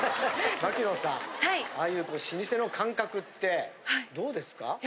牧野さんああいう老舗の感覚ってどうですか？